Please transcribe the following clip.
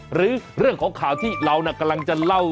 หรือเรื่องของข่าวที่เรากำลังจะเล่า